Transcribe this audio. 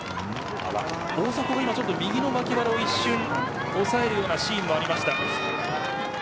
大迫が今、ちょっと、右の脇腹を一瞬、押さえるようなシーンがありました。